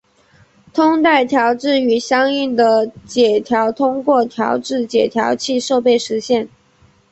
通带调制与相应的解调通过调制解调器设备实现。